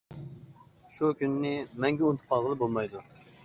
شۇ كۈننى مەڭگۈ ئۇنتۇپ قالغىلى بولمايدۇ.